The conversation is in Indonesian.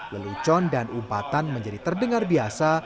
lelucon dan umpatan menjadi terdengar biasa